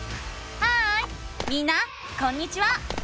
ハーイみんなこんにちは！